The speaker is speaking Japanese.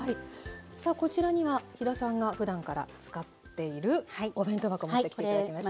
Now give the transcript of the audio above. さあこちらには飛田さんがふだんから使っているお弁当箱持ってきて頂きました。